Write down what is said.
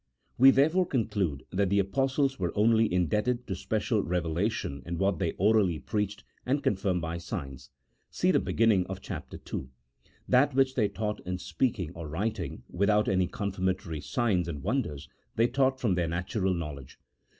We therefore conclude that the Apostles were only indebted to special revelation in what they orally preached and confirmed by signs (see the beginning of Chap. II.) ; that which they taught in speaking or writing without any confirmatory signs and wonders they taught from their natural knowledge.